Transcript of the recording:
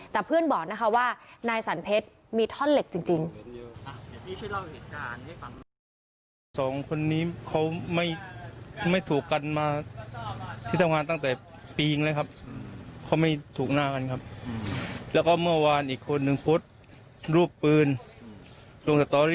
แต่เพื่อนบอกนะคะว่านายสันเพชรมีท่อนเหล็กจริง